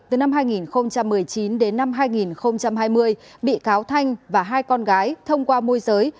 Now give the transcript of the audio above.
từ năm hai nghìn một mươi chín đến năm hai nghìn hai mươi bị cáo thanh và hai con gái thông qua môi giới